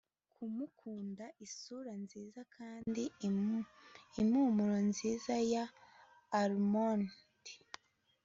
kumukunda isura nziza kandi impumuro nziza ya almond